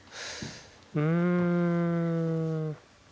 うん。